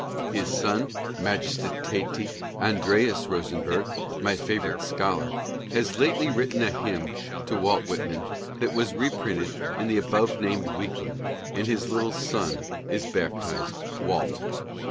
His son Magiste Tete Andreas Rosen berg, my favorite scholar, has lately written a hymn to Walt Whitman that was reprinted in the above named weekly, and his little son is baptized Walt.